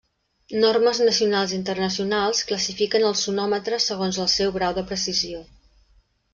Normes nacionals i internacionals classifiquen els sonòmetres segons el seu grau de precisió.